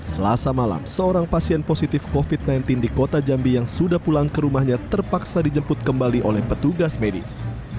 selasa malam seorang pasien positif covid sembilan belas di kota jambi yang sudah pulang ke rumahnya terpaksa dijemput kembali oleh petugas medis